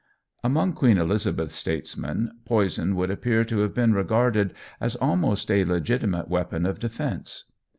Among Queen Elizabeth's statesmen, poison would appear to have been regarded as almost a legitimate weapon of defence.